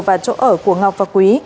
và chỗ ở của ngọc và quý